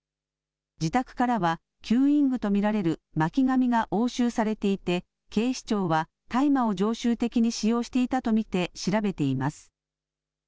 自宅からは、吸引具と見られる巻紙が押収されていて、警視庁は大麻を常習的に使用していたと見て調べています。